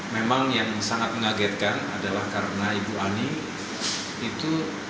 memang yang sangat mengagetkan adalah karena ibu ani itu